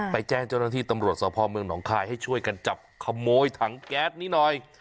แจ้งเจ้าหน้าที่ตำรวจสพเมืองหนองคายให้ช่วยกันจับขโมยถังแก๊สนี้หน่อย